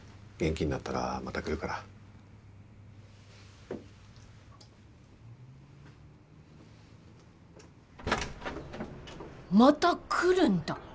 元気になったらまた来るからまた来るんだ？